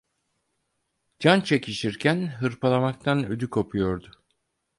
Can çekişirken hırpalamaktan ödü kopuyordu.